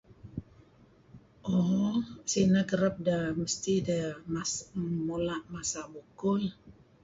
Mo sineh kereb mesti deh mula' masa' bukuh iih.